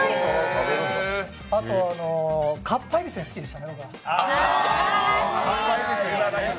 あとかっぱえびせん好きでしたね。